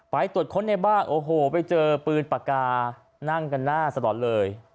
ตรวจค้นในบ้านโอ้โหไปเจอปืนปากกานั่งกันหน้าสลอนเลย